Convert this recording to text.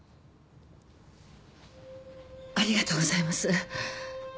ありがとうございます。